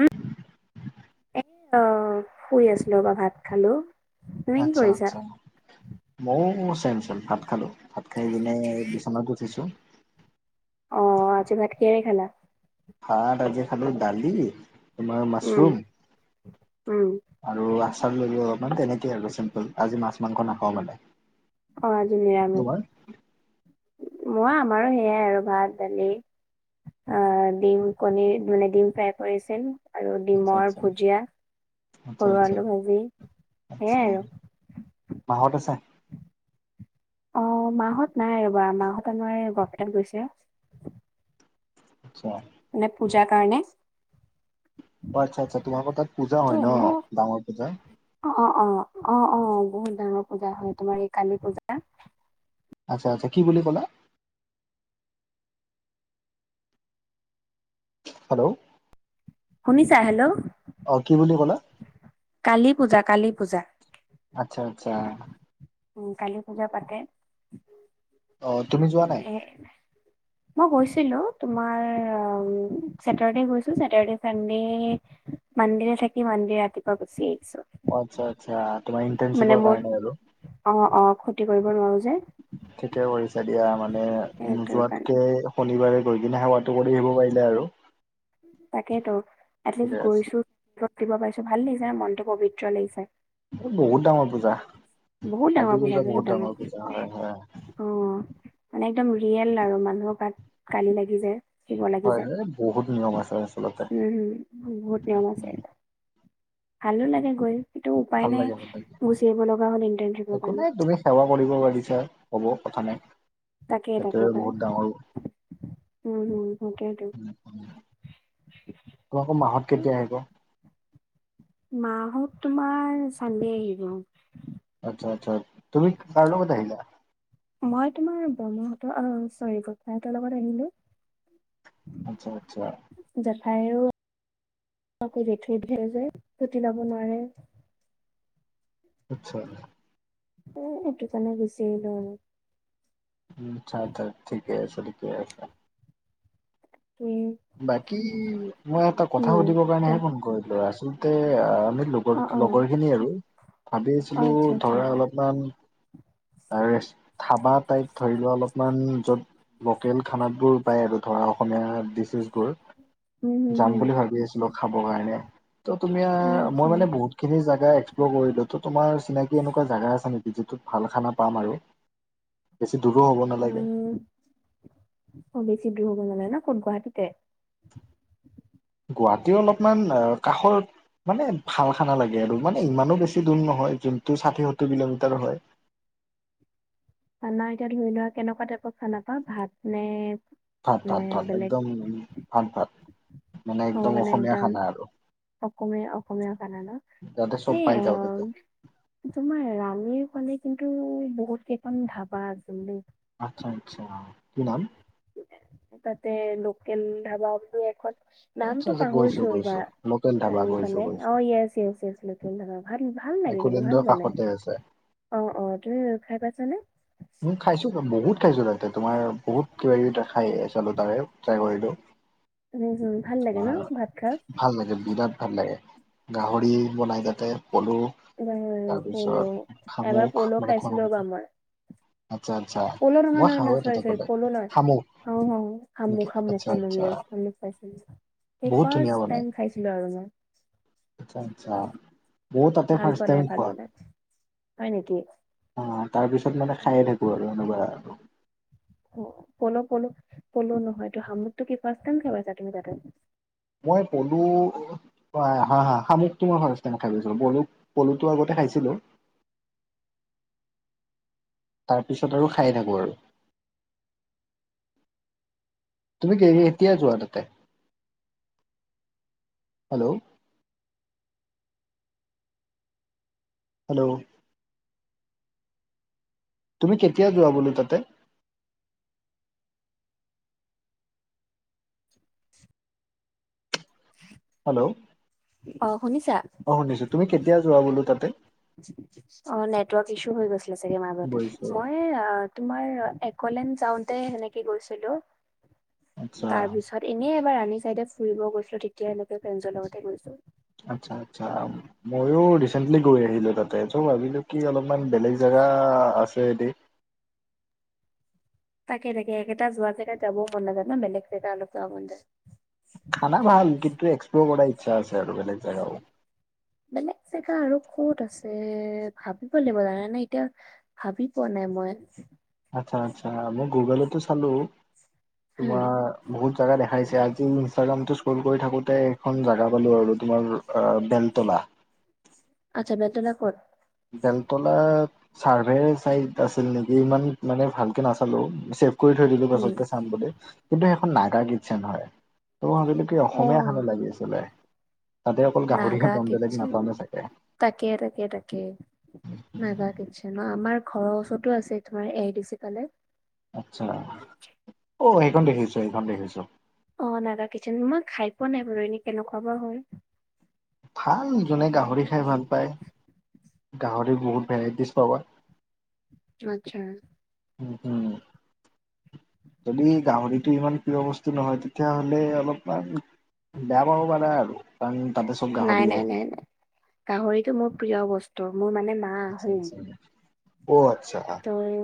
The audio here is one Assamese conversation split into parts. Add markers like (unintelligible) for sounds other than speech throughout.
উম, এ শুই আছিলোঁ ৰাব ভাত খালো। তুমি কি আচ্ছা, কৰিছা আচ্ছা। মইয়ো চেম-চেম ভাত খালোঁ। ভাত খাই কিনে বিচনাত উঠিছোঁ। অহ, আজি ভাত কিহেৰে খালা? ভাত আজি খালোঁ, দালি তোমাৰ উম মাছৰুম। উম আৰু আচাৰ ললোঁ অলপমান তেনেকে আৰু চিম্পুল আজি মাছ-মাংস নাখাওঁ মানে। অহ, আজি নিৰামিষ। তোমাৰ মই আমাৰো সেইয়াই আৰু ভাত দালি। অহ, ডিম কণী মানে ডিম ফাই কৰিছিল। আৰু আচ্ছা ডিমৰ আচ্ছা ভুজিয়া আচ্ছা সৰু আচ্ছা আলু ভাজি সেইয়াই আৰু। মাহঁত আছে? অহ, মাহঁত নাই ৰবা। মাহঁত আমাৰ বৰপেটাত গৈছে। আচ্ছা। মানে পূজাৰ কাৰণে। অহ, আচ্ছা, আচ্ছা। তোমালোকৰ তাত পূজা হয় ন' ডাঙৰ পূজা? অহ', অহ'। অহ', অহ'। বহুত ডাঙৰ পূজা হয় তোমাৰ এই কালি পূজা। আচ্ছা, আচ্ছ। কি বুলি কলা? হেল্ল'। শুনিছা, হেল্ল'। অহ, কি বুলি ক'লা? কালি পূজা, কালি পূজা। আচ্ছা, আচ্ছা। উম, কালি পূজা পাতে। অহ, তুমি যোৱা নাই? এ মই গৈছিলোঁ তোমাৰ চছেটাৰডে গৈছো, চেটাৰডে, চানডে। মান্দে দিনা থাকি মান্দে ৰাতিপুৱা গুচি আহিছোঁ। আচ্ছা, আচ্ছা। তোমাৰ ইণ্টাৰ্শিপৰ কাৰণে আৰু। অহ', অহ' ক্ষতি কৰিব নোৱাৰো যে। ঠিকে কৰিছে, দিয়া মানে সেইটো কাৰণে নোযোৱাতকে শনিবাৰে গৈ কিনে সেৱাটো কৰি আহিব পাৰিলে আৰু। তাকেই তো এটলিষ্ট ঠিকে আছে, গৈছো, (unintelligible) দিব পাৰিছোঁ ভাল লাগিছে ন' মনতটো পবিত্ৰ লাগিছে। বহুত ডাঙৰ পূজা, কালি পূজা বহুত ডাঙৰ পূজা হয়, হয়। অ, মানে একদম ৰিয়েল আৰু মানুহৰ গাত গালি লাগি যায়। শিৱ লাগি হয়, যায় এ, বহুত নিয়ম আছে। আচলতে উম, বহুত নিয়ম আছে। ভালো লাগে গৈ। সেইটো উপায় ভাল নাই লাগে ভাল লাগে। গুচি আহিব লগা হ'ল, ইন্টাৰনশ্বিপৰ একো কাৰণে। নাই তুমি সেৱা কৰিব পাৰিছা হ'ব কথা নাই। তাকে, তাকে সেইটোৱে পাই বহুত ডাঙৰ উম, হম সেইটোৱে। তোমালোকৰ মাহঁত কেতিয়া আহিব? মাহঁত তোমাৰ চানডে আহিব। আচ্ছা, আচ্ছা তুমি কাৰ লগত আহিলা? মই তোমাৰ বৰমাহতৰ চৰি, বৰটাহতৰ লগত আহিলো। আচ্ছা, আচ্ছা। জেঠাইও থৈ, থৈ যায়, ছুটি লব নোৱাৰে। আচ্ছা। এইটো কাৰণে গুচি আহিলো আৰু। উম, আচ্ছা, অচ্ছা ঠিকে আছে ঠিকে আছে। উম। বাকী মই এটা কথা সুধিব ক কাৰণেহে ফোন কৰিলোঁ, আচলতে আমি লগ, অ', অ', লগৰ খিনি ক আৰু অ', ভাবি আছিলো আচ্ছা, আচ্ছা, ধৰা উম, অলপ ইমান, ধাবা টাইপ ধৰি লোৱা অলপ মান য'ত লোকেল খানাবোৰ পায়, আৰু ধৰা অসমীয়া ডিচছবোৰ। হম, যাম হম, বুলি ভাবি আছিলো, খাব কাৰণে ত, তুমি অ', আচ্ছা। মই মানে বহুত খিনি জেগা এক্সপ্ল' কৰিলো তো, তোমাৰ চিনাকি এনেকুৱা জাগা আছে নেকি, যিটোত ভাল খানা পাম আৰু। বেছি দূৰো হব নালাগে। অ, বেচি দূৰ হব নালাগে ন, কত, গুৱাহাটীতে? গুৱাহাটীৰ অলপমান কাষৰ মানে ভাল খানা লাগে আৰু, মানে ইমানো বেছি দূৰ নহয়, যোনটো ষাঠি সত্তৰ কিলোমিটাৰ হয়। খানা এতিয়া ধৰি লোৱা, কেনেকুৱা টাইপৰ খানা পাওঁ ভাত নে ভাত, ভাত নে ভাত বেলেগ একদম ভাত, ভাত মানে একদম অসমীয়া খানা আৰু। অসমমীয়া, অসমীয়া খানা ন, যাতে চব এই পাই যাওঁ তাতে। তোমাৰ ৰাণীৰ ফালে কিন্তু বহুত কেইখনাম ধাবা আছিল দেই। আচ্ছা, আচ্ছা কি নাম? তাতে লোকেল ধাবা বুলি এখন আচ্ছা নামতটো আচ্ছা গৈছো পাহৰিছোঁ ৰবা, গৈছো লোকেল ধাবা গৈছো ৰানিফলে, গৈছো। অ, য়েছ, য়েছ ভাল লগে, কিন্তু একলেণ্ডৰ ভাল বনাই কাষতে আছে। অ, অ তুমি খাই পাইছানে? মই খাইছোঁ বহুত খাইছোঁ তাতে তোমাৰ বহুত কিবা কিবি এটা খাই চলো, তাৰে ট্ৰাই কৰিলোঁ। উম উম ভাল লাগে তোমাৰ ন ভাত খাই ভাল লাগে, বিৰাট ভাল লাগে। গাহৰি বনাই তাতে পলু এবাৰ পল' তাৰপিছত এবাৰ শামুক, পল' মানে খাইছিলো খোৱা ৰ'বা মই আচ্ছা আচ্ছা, পল' নহয় মই নহয় নহয় খাওঁৱে চৰি তাতে চৰি পালে, পল' নহয়। শামুক। অ অ', নেকি শামুক শামুক আচ্ছা শামুক, আচ্ছা ইয়েচ শামুক খাইছোঁ। এই বহুত ধুনীয়া ফাৰ্ষ্ট বনাই টাইম খাইছিলোঁ আৰু মই। আচ্ছা আচ্ছা, মইও তাতে ভাল পোৱা ফাৰ্ষ্ট নাই টাইম ভাল খোৱা। পোৱা নাই হয় নেকি? অ', তাৰ পিছত মানে খাইয়ে থাকোঁ আৰু এনেকুৱা আৰু অ', প'লু প'লু প'লু নহয় এইটো শামুকটো কি কোৱা, কেনেকা পাইছা তাতে? মই প'লু অ', হা হা শামুকটো নহয় নে (unintelligible) খাই গৈছিলো পলু পলুটো আগতে খাইছিলোঁ। তাৰ পিছত আৰু খাইয়ে থাকোং আৰু। তুমি কে কেতিয়া যোৱা তাতে? হেল্ল' হেল্ল' তুমি কেতিয়া যোৱা বলো তাতে? (inaudible) হেল্ল' অ শুনিছা? অ, শুনিছোঁ তুমি কেতিয়া যোৱা বোলো তাতে? অ', নেটৱৰ্ক ইছু হৈ গৈছিলে চাগে, বুজিছো মাজতে মই তোমাৰ একলেন যাওঁতে সেনেকে গৈছিলোঁ। আচ্ছা তাৰ পিছত এনেই এবাৰ ৰাণী চাইডে ফুৰিব গৈছিলোঁ তেতিয়া ফ্ৰেজৰ লগতে গৈছোঁ। আচ্ছা আচ্ছা। ময়ো ৰিচেন্টলি গৈ আহিলো তাতে, চ' ভাবিলো কি অলপমান বেলেগ জেগা আছে এইদি তাকে তাকে একেটা যোৱা জেগাত যাবও মন নাযায় ন', বেলেগ জেগা অলপ যাব মন যায়। খানা ভাল কিন্তু, এক্সপ্ল'ৰ কৰাৰ ইচ্ছা আছে আৰু বেলেগ জেগাও বেলেগ জেগা আৰু ক'ত আছে, ভাবিব লাগিব জানা নে এতিয়া। ভাবি পোৱা নাই মই। আচ্ছা আচ্ছা মই গুগ'লটো চালো হা তোমাৰ বহুত জোগা দেখাইছে আজি ইনষ্টাগ্ৰাম স্ক্ৰল কৰি থাকোঁতে, এখন জাগা পালো আৰু, তোমাৰ বেলতলা। আচ্ছা বেলতলা ক'ত? বেলতলা চাৰ্ভে চাইড আছিল নেকি, ইমান মানে ভালকে নাচালো। কৰি থৈ দিলো। উম পিছতকে চাম বুলি কিন্তু, সেইখন নাগাৰ কিটচেন হয়। ত আজিলৈক কি অ অসমীয়া খানা লাগিছিলে, তাতে অকল নাগা গাহৰিহে পাম বেলেগ কিটচেন নাপামে চাগে। তাকে তাকে তাকে, নাগা কিটছেন ন' আমাৰ ঘৰৰ ওচৰটো আছে, তোমাৰ এ আই ডি চি ফালে। আচ্ছা, অ' সেইখন দেখিছোং সেইখন দেখিছোঁ। অ', নাগা কিটচেন মই খাই পোৱা নাই বাৰু এনেই কেনেকুৱা বা হয়। ভাল, যোনে গাহৰি খাই ভাল পায়। গাহৰি বহুত ভেৰাইটিজ পাবা। আচ্ছা। উম উম। যদি গাহৰিটো ইমান প্ৰিয় বস্তু নহয়, তেতিয়াহ'লে অলপমান বেয়া পাব পাৰা আৰু। কাৰণ তাতে চব নাই গাহৰিয়ে নাই নাই নাই, গাহৰিটো মোৰ প্ৰিয় বস্তু মোৰ মানে আহোম। অ', আচ্ছা। তই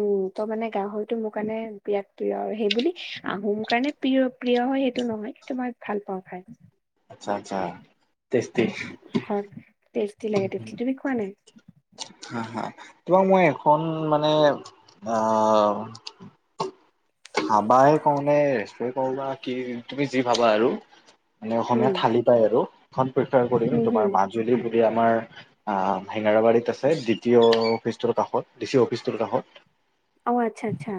উম ত' মানে গাহৰিটো মোৰ কাৰণে বিৰাট প্ৰিয়, আৰু সেইবুলি আহোম কাৰণে প্ৰিয় প্ৰিয় হয়, সেইটো নহয়, কিন্তু মই ভাল পাওঁ খাই আচ্ছা আচ্ছা, টেষ্টি। টেষ্টি লাগে, তুমি খোৱা নাই? হা হা, তোমাৰ মই এখন মানে, আহ ধাবাই কওঁনে (unintelligible) কবা কি তুমি যি ভাবা আৰ, মানে অসমীয়া উম থালি। ঠাই আৰু এখন প্ৰেফাৰ কৰিম, হুম হুম তোমাৰ মাজুলী বুলি আমাৰ হেঙেৰাবাৰীত আছে ডি টি অ অফচটোৰ কাষত, ডিচি অফিচটোৰ কাষত। অ', আচ্ছা আচ্ছা।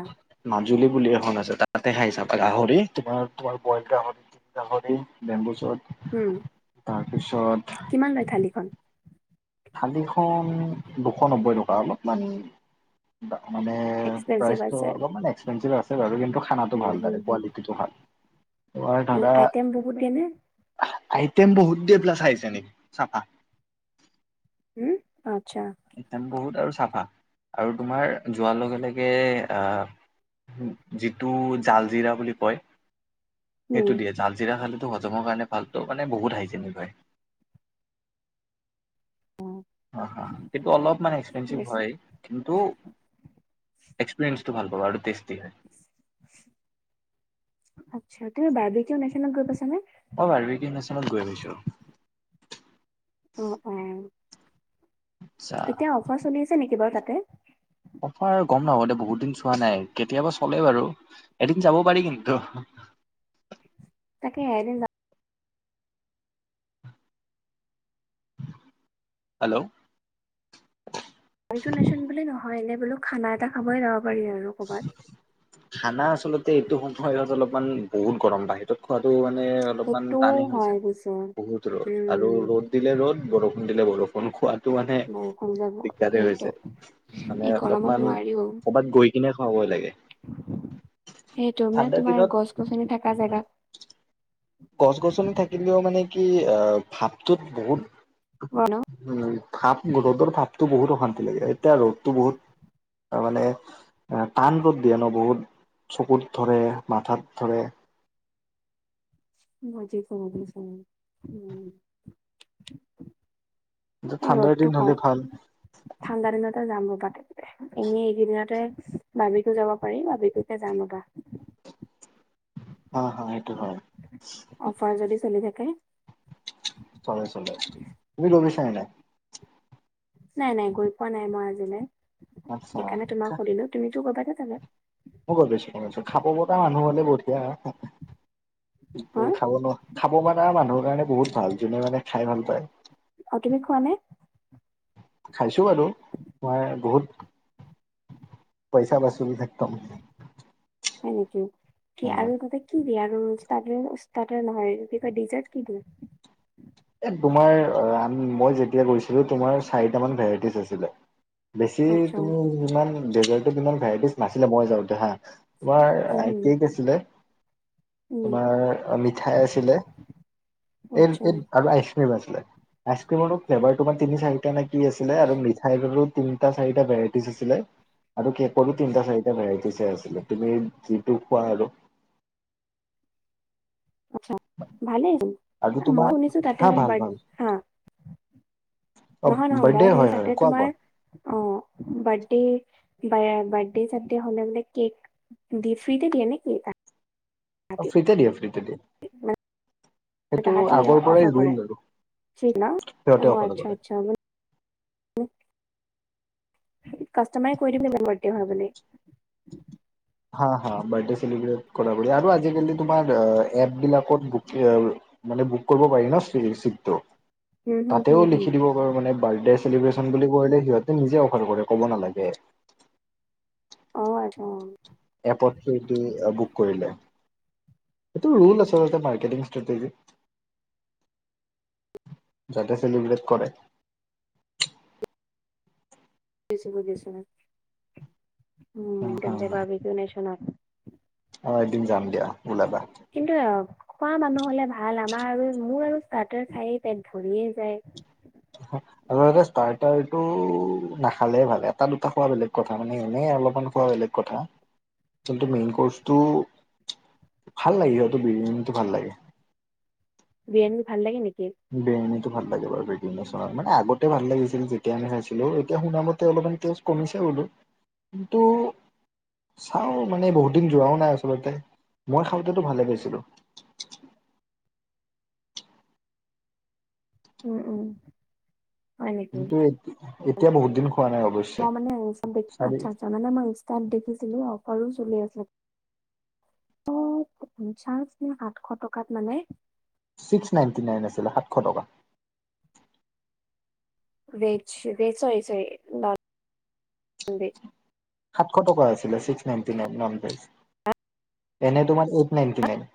মাজুলী বুলি। ছে তাতে, খাই চাবা, গাহৰি তোমাৰ তোমাৰ গাহৰি গাহৰিে বেম্বু চচ উম তাৰপিছত কিমান লয় থালিখন? খালিখন দুশ নব্বৈ টকা অলপ মানে, মানে এক্সপেঞ্চিভ প্ৰাইচটো, আছে অলপমান এক্সপেঞ্চিভ আছে বাৰু, কিন্তু খানাটো উম ভাল হুম তাৰে হুম। কোৱালিটিটো ভাল। তোমাৰ ধৰা (unintelligible) আইটেম বহুত (unintelligible) উম আচ্ছা। একদম বহুত আৰু চাফা। আৰু তোমাৰ যোৱাৰ লগে লগে আহ যিটো জাল জিৰা বুলি কয় উম, সেইটো দিয়ে। জাল জিৰা খালে হজমৰ কাৰণে ভালতো মানে বহুত হাইজেনিক হয়। অহ অহ সেইটো অলপ মানে এক্সপেনঞ্চিভ বেছি হয়। কিন্তু এক্সপৰিয়েসটো ভাল পাবা আৰু টেষ্টি হয়। আচ্চা তুমি বাৰ্বি কিয় নেশ্যনেল গ্ৰুপ পাইছা নে? অ বাৰ্বি কিয় নেশ্যনেলত গৈ পাইছো। অ অ। আচ্ছা এতিয়া অফাৰ চলি আছে নেকি বাৰু তাতে? অফাৰ আৰু গম নাপাব দে বহুত দিন চোৱা নাই। কেতিয়াবা চলে বাৰু। এদিন যাব পাৰি কিন্তু। তাকে এদিন যা হেল্ল। (unintelligible) বুলি নহয় এনে বোলো খানা এটা খাবই যাব পাৰি আৰু। ক'ৰবাত। (unintelligible) খানা আচলতে এইটো সময় অলপমান বহুত গৰম বাহিৰত খোৱাতটো মানে অলপমান সেইটোও টানে হৈ হয় যায়, পিছে। বহুত ৰ'দ। আৰু উম, ৰ'দ দিলে ৰ'দ বৰষুণ দিলে বৰষুণ খোৱা টো মানে বৰষুণ যাব দিগদাৰে সেইটো হৈছে। মানে এই গৰমত অলপমান নোৱাৰিও। কৰ'বাত গৈ (unintelligible) সেইটো মানে ঠাণ্ডা তোমাৰ দিনত গছ গছনি থকা জেগাত গছ-গছনি থাকিলেও মানে কি অ ভাৱটোত বহুত ন? উম ভাপ ৰ'দৰ ভাপতটো বহুত অশান্তি লাগে। এতিয়া ৰ'দটো বহুত তাৰ মানে টান ৰ'দ দিয়ে ন বহুত। চকুত ধৰে, মাথাত ধৰে, (unintelligible) উম কিন্তু ঠাণ্ডাৰ দিন হলে ভাল (unintelligible) ঠাণ্ডা দিনতে যাম (unintelligible) এনেই এইকেইদিনতে বৰ্বিকিউ যাব পাৰি বৰ্বিকিতে যাম ৰ'বা। হ হ এইটো হয়। অফাৰ যদি চলি থাকে। চলে চলে তুমি গৈ পাইছা নে নাই? নাই নাই গৈ পোৱা নাই মই আজিলৈ, আচ্ছা সেইকাৰণে তোমাক সুধিলো। তুমিটো (unintelligible) মই গৈছো গৈছো (unintelligible) খাব মানে মানুহৰ হা কাৰণে বহুত ভাল। যোনে মানে খাই ভাল পায়। অ তুমি খোৱা নাই? খাইছোঁ বাৰু মই বহুত পইচা (unintelligible) হয় নেকি। অ কি আৰু তাতে কি আৰু ষ্টেতাৰ-ষ্টেতাৰ নহয় কয় ডিজাৰ্ট কি কি? এ তোমাৰ আ মই যেতিয়া গৈছিলো তোমাৰ চাৰিটা মান ভেৰাইটিজ আছিলে। বেছি আচ্ছা, তুমি ইমান ডেজাৰ্টত ইমান ভেৰাইটিজ নাছিলে মই যাওঁতে হা। তোমাৰ উম হুম, কেক আছিলে উম তোমাৰ মিঠাই আছিলে, এই আচ্ছা এই আৰু আইচক্ৰীম আছিলে। আইচক্ৰীমৰ ফ্লেভাৰাৰ তিনি চাৰিটা নে কি আছিলে। আৰু মিঠাইৰো তিনিটা চাৰি ভেৰাইটি আছিলে। আৰু কেকো তিনিটা-চাৰিটা ভেৰাইটিচ আছিলে। তুমি যিটো খোৱা আৰু। আচ্চা ভালেই আৰু চুন। মই তোমাৰ শুনিছো তাতে হা আ ভাল বাৰ্থ ভাল হা অ নহয় নহয় বাৰ্থডে মই হয় শুনিছা হয় কোৱা কোৱা তোমাৰ অ বাৰ্থডে, বাৰ্থডে-চাৰ্দে হ'লে বোলে কেক দিয়ে। ফ্ৰীতে দিয়ে নেকি? অ তাহাঁতি ফ্ৰী তে দিয়া, ফ্ৰী তে দিয়ে। মানে সেইটো তাহাঁতি আগৰ অফাৰ পৰাই কৰে ৰুল আৰু ফ্ৰীত ন অ বাৰ্দেসকলৰ আচ্ছা লগত। আচ্ছা মানে কাষ্টমাৰে কৈ দিম জ মৰ (unintelligible) দ হয় বুলি। হা হা, বাৰ্থডে চেলিব্ৰেট কৰা আৰু আজিকালি তোমাৰ এপ বিলাকত ব মানে বুক কৰিব পাৰি ন, চিটটো। উম হুম তাতেও হুম হুম লিখি দিব পাৰে মানে, বাৰ্থডে চেলিব্ৰেচন বুলি ক'লে সিহঁতে নিজে অফাৰ কৰে, ক'ব নালাগে। অ', আচছা অ'। এপ দি বুক কৰিলে। এইটো ৰল আছে, মাৰ্কেটিংষ্ট স্ত্ৰেতেযি। (unintelligible) যাতে চেলি ব্ৰেট কৰে। বুজিছোঁ বুজিছোঁ ন', উম, কে ভাবি ক নছ ন? (unintelligible) অ', এদিন যাম দিয়া ওলাবা। কিন্তু, খোৱা মানুহ হ'লে ভাল আমাৰ আৰু, মোৰ আৰু ষ্টাৰ্টাৰ খায়ে পেট ভৰিয়ে যায়। হয়। আচলতে ষ্টাৰ্টাৰ টো নাখালে ভাল, এটা দুটা খোৱা বেলেগ কথা, মানে এনেই অলপমান খোৱা বেলেগ। কথা কিন্তু, মেইন কৰ্চটো ভাল লাগে, সিহঁত বিৰীয়ানীটো ভাল লাগে। বিৰীয়ানীটো ভাল লাগে নেকি? বিৰিয়ানী ভাল লাগে বাৰু মানে আগতে ভাল লাগিছিল, যেতিয়া আমি খাইছিলোঁ, এতি শুনাামতে অলপমান কমিছে বোলো। কিন্তু, চাওঁ, মানে বহুত দিন যোৱাও নাই আচলতে, মই খাওঁতেটো ভালে পাইছিলোঁ। উম উম, হয় নেকি কিন্তু, এতি এতিয়া বহুত দিন খোৱা নাই মই অৱশ্যে, মানে ইনষ্টাত দেখি আচ্ছা চাৰি আচ্ছা মানে মই ইনষ্টাট দেখিছিলোঁ, অফাৰো চলি আছিল। পঞ্চাশ নে আাতশ টকাত মানে ছিক্স নাইনটি নাইন আছিলে সাতশ টকা। ভেজ ভেজ চছেজ (inaudible) সাতশ টকা আছিলে ছিক্স নাইনটি নাইন, এনে ভেজ এনে তোমাৰ এইট নাইনটি নাইন।